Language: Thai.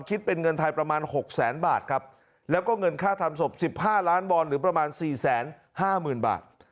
คิดเป็นเงินไทยประมาณ๖แสนบาทครับแล้วก็เงินค่าทำศพ๑๕ล้านวอนหรือประมาณ๔๕๐๐๐บาท